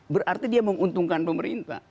berarti dia menguntungkan pemerintah